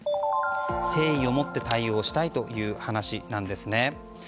誠意を持って対応したいという話なんですね。